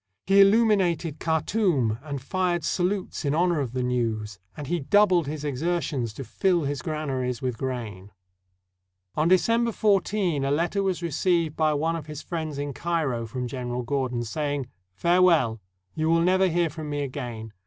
He illuminated Khartoum and fired salutes in honor of the news, and he doubled his exertions to fill his granaries with grain. 347 EGYPT On December 14, a letter was received by one of his friends in Cairo from General Gordon, saying, "Fare well. You will never hear from me again.